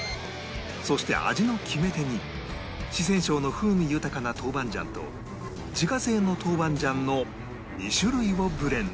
そして味の決め手に四川省の風味豊かな豆板醤と自家製の豆板醤の２種類をブレンド